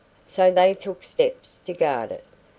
So they took steps to guard it.